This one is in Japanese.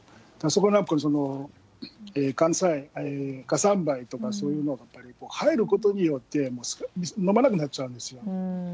だから、火山灰とかそういうのが入ることによって、飲まなくなっちゃうんですよ。